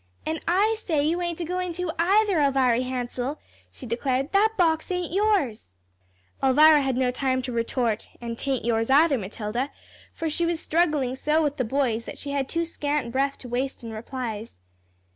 "An' I say you ain't a goin' to either, Elviry Hansell," she declared; "that box ain't yours." Elvira had no time to retort, "An' 'tain't yours either, Matilda," for she was struggling so with the boys that she had too scant breath to waste in replies.